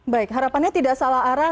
baik harapannya tidak salah arah